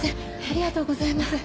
ありがとうございます。